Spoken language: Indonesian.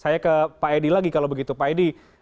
saya ke pak eddy lagi kalau begitu pak eddy